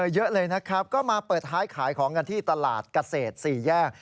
เยอะเลยนะครับก็มาเปิดท้ายขายของกันที่ตลาดเกษตร๔แยก